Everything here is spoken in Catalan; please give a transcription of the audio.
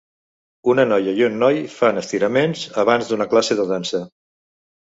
Una noia i un noi fan estiraments abans d'una classe de dansa